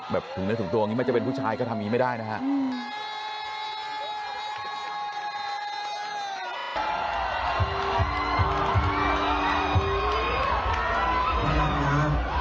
แบบถึงในส่วนตัวอันนี้ไม่จะเป็นผู้ชายก็ทำงี้ไม่ได้นะฮะ